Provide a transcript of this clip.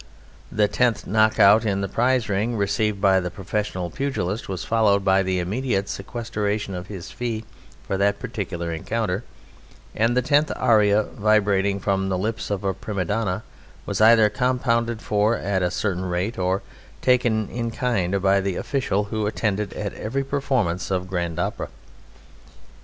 The tenth knock out in the prize ring received by the professional pugilist was followed by the immediate sequestration of his fee for that particular encounter, and the tenth aria vibrating from the lips of a prima donna was either compounded for at a certain rate or taken in kind by the official who attended at every performance of grand opera.